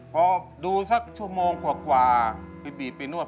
พอดูสักชั่วโมงกว่าไปบีบไปนวด